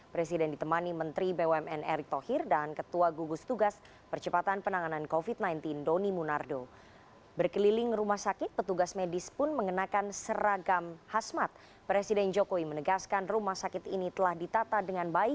presiden joko widodo meninjau kesiapan